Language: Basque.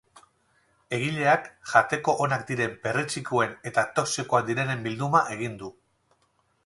Egileak jateko onak diren perretxikoen eta toxikoak direnen bilduma egin du.